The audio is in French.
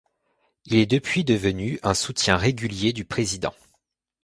Il est depuis devenu un soutien régulier du président.